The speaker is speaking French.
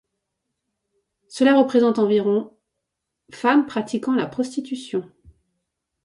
Cela représente environ femmes pratiquant la prostitution.